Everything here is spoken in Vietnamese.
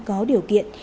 có điều kiện